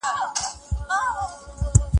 دولت باید د خلګو امنیت خوندي کړي.